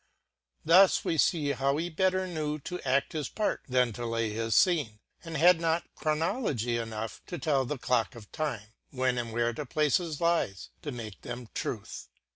Thus we fee how he better knew to adV his part, then to lay his Scene, and had not Chronologie enough to tell the clock of time, when and where to place his lies to make them like truth.